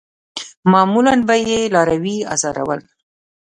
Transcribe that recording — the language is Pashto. معمولاً به یې لاروي آزارول.